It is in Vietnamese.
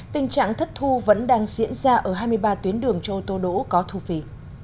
tình trạng thất thu vẫn đang diễn ra ở hai mươi ba tuyến đường cho ô tô đỗ có thu phí